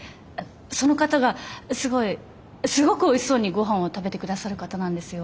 その方がすごいすごくおいしそうにごはんを食べて下さる方なんですよ。